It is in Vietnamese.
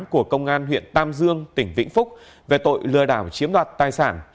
của công an huyện tam dương tỉnh vĩnh phúc về tội lừa đảo chiếm đoạt tài sản